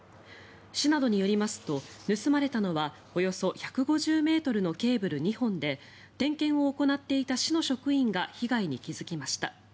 市などによりますと盗まれたのはおよそ１５０ｍのケーブル２本で点検を行っていた市の職員が被害に気付きました。